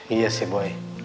iya sih bu